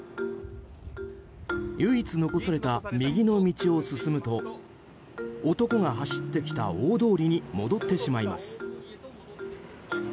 唯一残された右の道を進むと男が走ってきた大通りに戻ってしまいます。